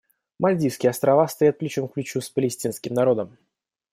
Мальдивские Острова стоят плечом к плечу с палестинским народом.